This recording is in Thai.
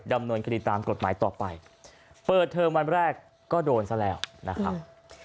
ดำเนินคดีตามกฎหมายต่อไปเปิดเทอมวันแรกก็โดนซะแล้วนะครับ